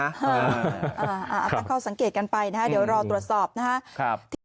อาจจะเข้าสังเกตกันไปนะฮะเดี๋ยวรอตรวจสอบนะฮะ